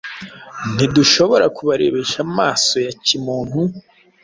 Ntidushobora kubarebesha amaso ya kimuntu;